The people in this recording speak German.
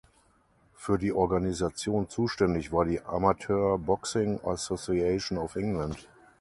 Für die Organisation zuständig war die Amateur Boxing Association of England.